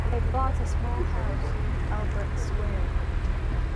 They bought a small house in Albert Square.